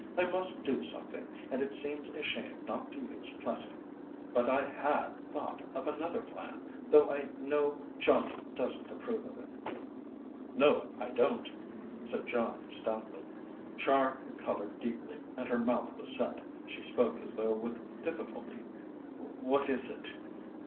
I must do something, and it seems a shame not to use Plessing. But I had thought of another plan, though I know Johnnie doesn't approve of it." "No, I don't," said John stoutly. Char had coloured deeply and her mouth was set. She spoke as though with difficulty. "What is it?"